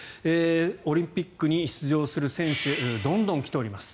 オリンピックに出場する選手どんどん来ております。